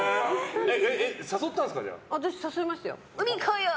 私、誘いましたよ。